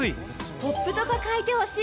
ポップとか書いてほしい。